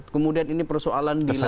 kemudian ini persoalan yang diperlukan